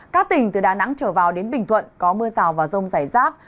các tỉnh từ đà nẵng trở vào đến bình thuận có mưa rào và rông rải rác